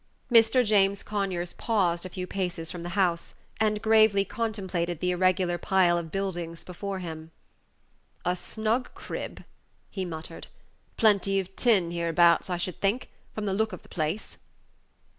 Mr. James Conyers paused a few paces from the house, and gravely contemplated the irregular pile of buildings before him. "A snug crib," he muttered; "plenty of tin hereabouts, I should think, from the look of the place."